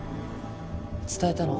伝えたの？